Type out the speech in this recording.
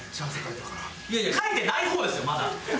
いやいやかいてない方ですよまだ。